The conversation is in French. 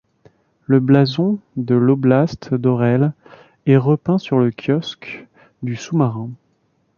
Le blason de l'oblast d'Orel est repeint sur le kiosque du sous-marin.